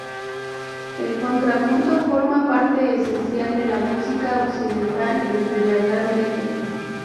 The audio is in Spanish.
El contrapunto forma parte esencial de la música occidental desde la Edad Media.